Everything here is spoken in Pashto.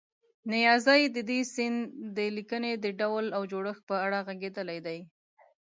نیازی د دې سیند د لیکنې د ډول او جوړښت په اړه غږېدلی دی.